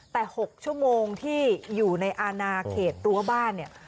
แต่๖ชั่วโมงที่อยู่ในอาณาเขตรั้วบ้านเนี่ย